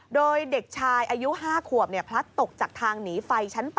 โดยเด็กชายอายุ๕ขวบพลัดตกจากทางหนีไฟชั้น๘